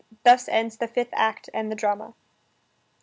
Thus ends the fifth act and the drama.